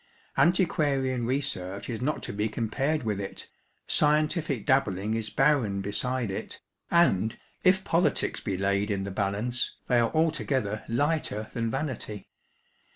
Antiquarian research is not to be compared wilh it, scientific dabbling is barren beside it, and, if politics be laid in the balance, they are altogether lighter than vanity.